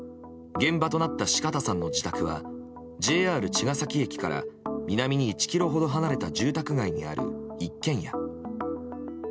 現場となった四方さんの自宅はＪＲ茅ケ崎駅から南に１ｋｍほど離れた住宅街にある一軒家。